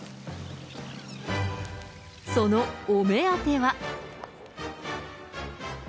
そのお目当ては。